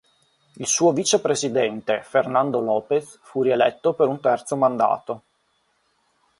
Il suo vicepresidente, Fernando López, fu rieletto per un terzo mandato.